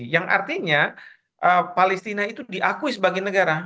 yang artinya palestina itu diakui sebagai negara